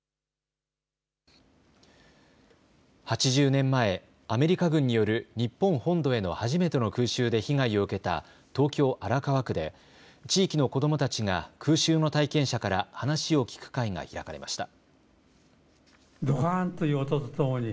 ８０年前、アメリカ軍による日本本土への初めての空襲で被害を受けた東京荒川区で地域の子どもたちが空襲の体験者から話を聞く会が開かれました。